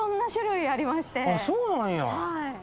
そうなんや。